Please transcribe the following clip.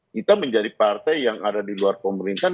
kita menjadi partai yang ada di luar pemerintahan